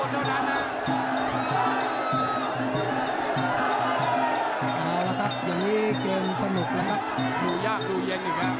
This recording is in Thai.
ดูยากนึงดู้เย็นอีก